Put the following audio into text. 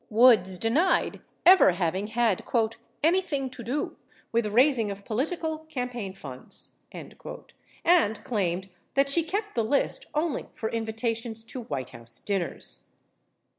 Woods denied ever having had "anything to do with raising of political campaign funds," and claimed that she kept the list only for invita tions to White House dinners.